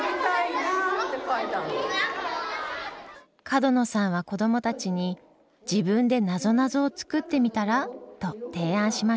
角野さんは子どもたちに「自分でなぞなぞを作ってみたら？」と提案しました。